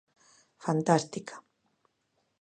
Fantástica.